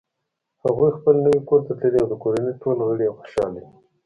هغوی خپل نوی کور ته تللي او د کورنۍ ټول غړ یی خوشحاله دي